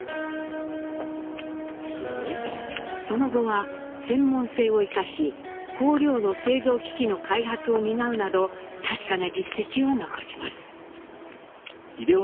その後は専門性を生かし香料の製造機器の開発を担うなど確かな実績を残します。